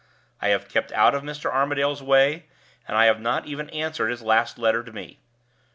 "I have kept out of Mr. Armadale's way, and I have not even answered his last letter to me.